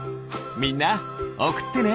みんなおくってね！